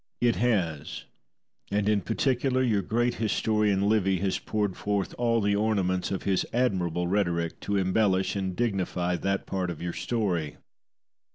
Titus. It has; and in particular your great historian Livy has poured forth all the ornaments of his admirable rhetoric to embellish and dignify that part of your story.